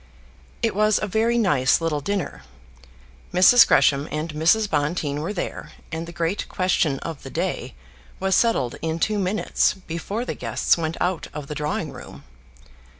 It was a very nice little dinner. Mrs. Gresham and Mrs. Bonteen were there, and the great question of the day was settled in two minutes, before the guests went out of the drawing room.